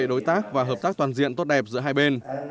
đối tác và hợp tác toàn diện tốt đẹp giữa hai bên